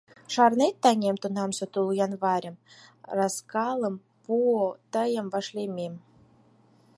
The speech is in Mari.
Шарнет, таҥем, тунамсе тул январьым, Рыскалым пуо тыйым вашлиймем.